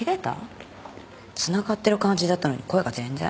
つながってる感じだったのに声が全然。